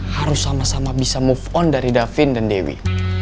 harus sama sama bisa move on dari davin dan dewi